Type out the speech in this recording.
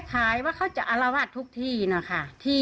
คล้ายว่าเขาจะอารวาสทุกที่นะคะ